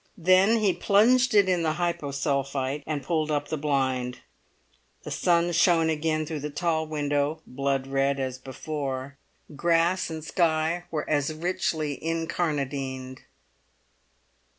Then he plunged it in the hyposulphite, and pulled up the blind. The sun shone again through the tall window, blood red as before; grass and sky were as richly incarnadined.